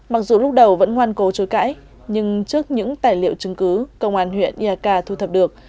mặc dù lúc đầu vẫn ngoan cố chối cãi nhưng trước những tài liệu chứng cứ công an huyện iak thu thập được